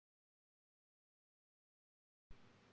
呢輪想了解下美股